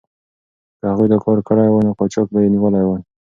که هغوی دا کار کړی وای، نو قاچاق به یې نیولی وای.